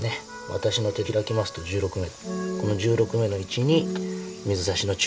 私の手開きますと１６目。